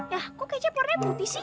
ya kok kayaknya warnanya putih sih